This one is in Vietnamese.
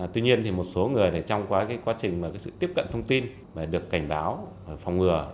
tuy nhiên một số người trong quá trình tiếp cận thông tin được cảnh báo phòng ngừa